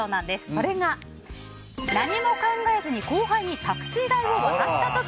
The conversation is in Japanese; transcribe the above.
それが、何も考えずに後輩にタクシー代を渡した時。